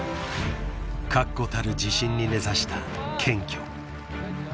［確固たる自信に根差した謙虚］